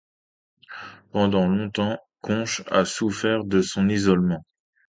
Pendant longtemps Conche a souffert de son isolement.